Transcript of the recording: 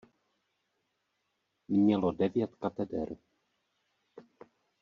Mělo devět kateder.